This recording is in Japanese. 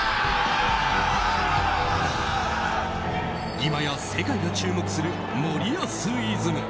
今や世界が注目する森保イズム。